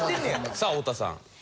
さあ太田さん。